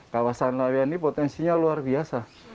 kawasan lawean ini potensinya luar biasa